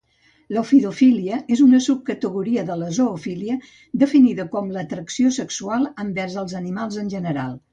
L'ofidiofília és una subcategoria de la zoofília, definida com l'atracció sexual envers els animals en general.